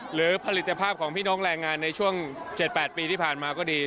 หรือผลิตภาพของพี่น้องแรงงานในช่วง๗๘ปีที่ผ่านมาก็ดี